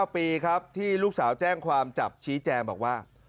ขณะที่พ่ออายุ๖๙ปีที่ลูกสาวแจ้งความจับชี้แจงบอกว่า